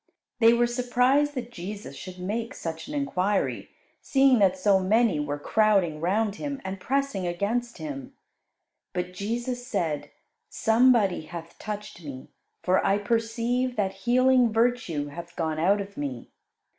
They were surprised that Jesus should make such an enquiry, seeing that so many were crowding round Him, and pressing against Him. But Jesus said, "Somebody hath touched Me, for I perceive that healing virtue hath gone out of Me."